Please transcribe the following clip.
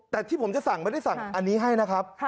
แต่ที่ผมจะสั่งไม่ได้สั่งอันนี้ให้นะครับ